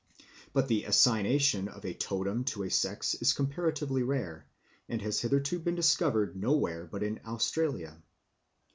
But the assignation of a totem to a sex is comparatively rare, and has hitherto been discovered nowhere but in Australia.